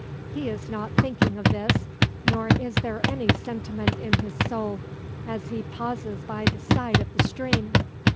He is not thinking of this, nor is there any sentiment in his soul, as he pauses by the side of the stream.